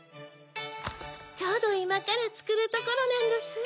ちょうどいまからつくるところなんどす。